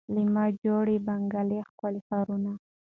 له ما جوړي بنګلې ښکلي ښارونه